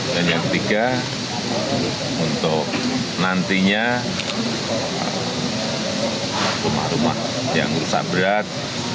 yang ketiga untuk nantinya rumah rumah yang rusak berat